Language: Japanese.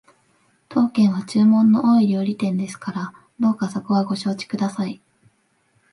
当軒は注文の多い料理店ですからどうかそこはご承知ください